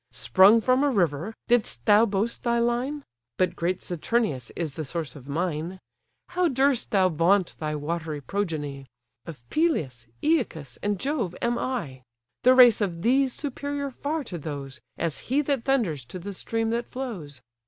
Sprung from a river, didst thou boast thy line? But great Saturnius is the source of mine. How durst thou vaunt thy watery progeny? Of Peleus, Æacus, and Jove, am I. The race of these superior far to those, As he that thunders to the stream that flows.